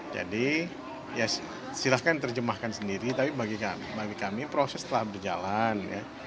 jadi silahkan terjemahkan sendiri tapi bagi kami proses telah berjalan